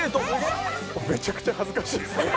めちゃくちゃ恥ずかしいですね。